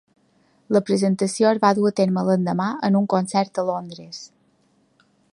La presentació es va dur a terme l'endemà en un concert a Londres.